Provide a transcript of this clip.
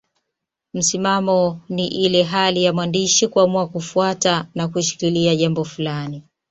Msimamo ni ile hali ya mwandishi kuamua kufuata na kushikilia jambo fulani.